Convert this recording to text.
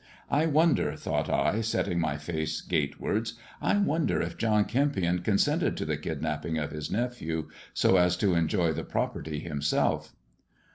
"I wonder," thought I, setting my face gatewards — "I wonder if John Kempion consented to the kidnapping of his nephew so as to enjoy the property himself."